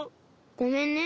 ごめんね。